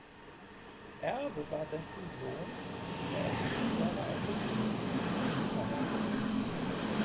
Erbe war dessen Sohn, der erst vier Jahre alte Philipp „der Jüngere“.